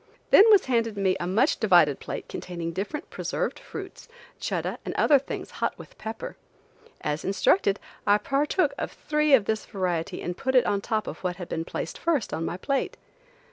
Then was handed me a much divided plate containing different preserved fruits, chuddah and other things hot with pepper. As instructed, I partook of three of this variety and put it on top of what had been placed first on my plate.